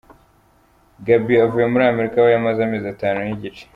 Gaby avuye muri Amerika aho yamaze amezi atanu n'igice.